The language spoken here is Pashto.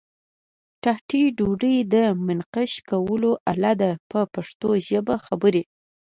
ټاټې د ډوډۍ د منقش کولو آله ده په پښتو ژبه خبرې.